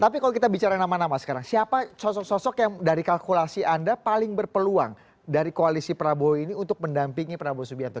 tapi kalau kita bicara nama nama sekarang siapa sosok sosok yang dari kalkulasi anda paling berpeluang dari koalisi prabowo ini untuk mendampingi prabowo subianto